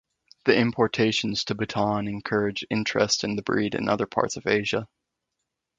The importations to Bhutan encouraged interest in the breed in other parts of Asia.